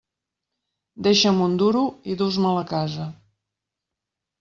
Deixa'm un duro i dus-me'l a casa.